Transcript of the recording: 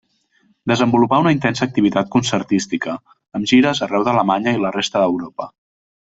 Desenvolupà una intensa activitat concertística, amb gires arreu d'Alemanya i la resta d'Europa.